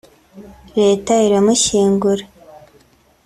Leta iramushyingura